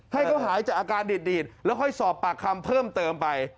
ให้เขาหายจากอาการดีดแล้วค่อยสอบปากคำเพิ่มเติมไป